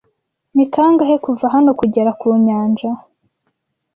Ni kangahe kuva hano kugera ku nyanja?